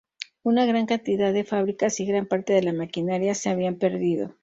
Una gran cantidad de fábricas y gran parte de la maquinaria se habían perdido.